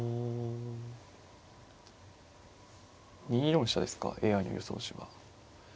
２四飛車ですかＡＩの予想手は。